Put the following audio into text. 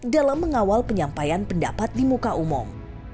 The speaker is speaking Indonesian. dalam mengawal penyampaian pendapat di muka umum